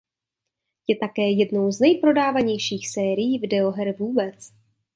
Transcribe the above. Je také jednou z nejprodávanějších sérií videoher vůbec.